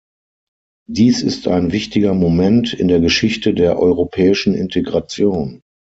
Dies ist ein wichtiger Moment in der Geschichte der europäischen Integration.